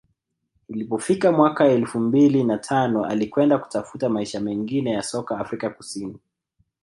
ilipofika mwaka elfu mbili na tano alikwenda kutafuta maisha mengine ya soka Afrika Kusini